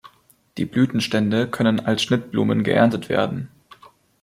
Die Blütenstände können als Schnittblumen geerntet werden.